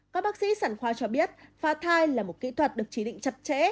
các bác sĩ sản khoa cho biết pha thai là một kỹ thuật được chỉ định chặt chẽ